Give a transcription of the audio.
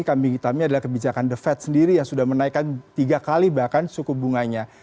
kambing hitamnya adalah kebijakan the fed sendiri yang sudah menaikkan tiga kali bahkan suku bunganya